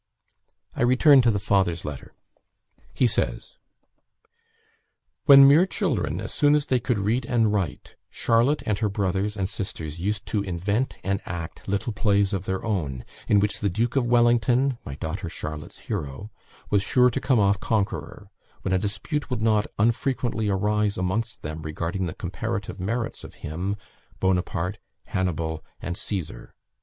I return to the father's letter. He says: "When mere children, as soon as they could read and write, Charlotte and her brothers and sisters used to invent and act little plays of their own, in which the Duke of Wellington, my daughter Charlotte's hero, was sure to come off conqueror; when a dispute would not unfrequently arise amongst them regarding the comparative merits of him, Buonaparte, Hannibal, and Caesar.